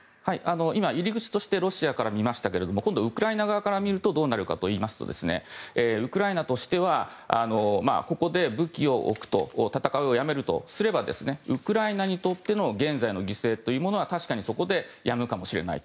今、入り口としてロシア側から見ましたけど今度ウクライナ側から見るとウクライナとしてはここで武器を置くと戦いをやめるとすればウクライナにとっての現在の犠牲というものは確かにそこでやむかもしれない。